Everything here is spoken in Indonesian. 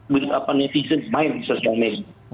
menurut apa netizen main di sosial media